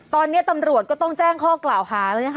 ตอนนี้ตำรวจก็ต้องแจ้งข้อกล่าวหาแล้วนะคะ